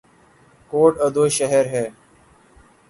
کوٹ ادو شہر ہے